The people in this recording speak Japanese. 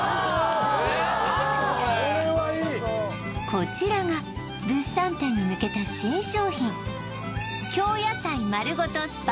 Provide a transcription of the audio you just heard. こちらが物産展に向けた新商品